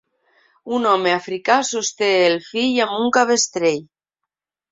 Un home africà sosté el fill amb un cabestrell.